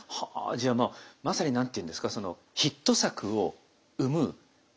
じゃあまあまさに何て言うんですかヒット作を生む手助けをすると。